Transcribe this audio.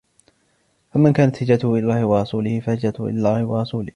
فَمَنْ كَانَتْ هِجْرَتُهُ إِلَى اللهِ وَرَسُولِهِ فَهِجْرَتُهُ إِلى اللهِ وَرَسُولِهِ